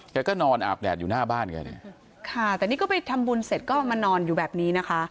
แกก็นอนอาบแดดอยู่หน้าบ้านแกเนี่ยค่ะแต่นี่ก็ไปทำบุญเสร็จก็มานอนอยู่แบบนี้นะคะ